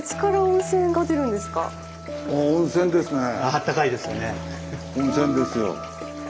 温泉ですよ。